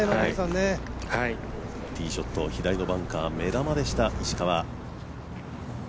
ティーショットを左のバンカー目玉でした、石川。